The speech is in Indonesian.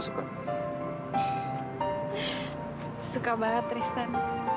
suka banget tristan